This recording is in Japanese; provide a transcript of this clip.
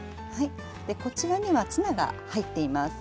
こちらにはツナが入っています。